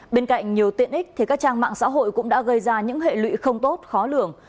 bên cạnh nhiều tiện ích thì các trang mạng xã hội cũng đã gây ra những hệ lụy không tốt khó lường